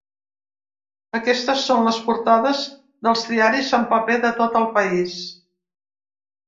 Aquestes són les portades dels diaris en paper de tot el país.